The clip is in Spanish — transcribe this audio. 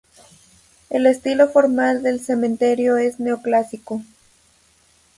El estilo formal del cementerio es neoclásico.